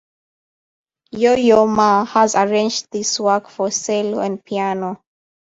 Yo-Yo Ma has arranged this work for cello and piano.